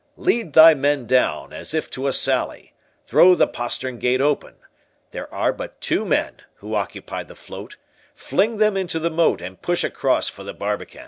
Lead thy men down, as if to a sally; throw the postern gate open—There are but two men who occupy the float, fling them into the moat, and push across for the barbican.